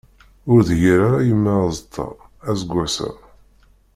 Ur tgir ara yemma azeṭṭa, aseggas-a.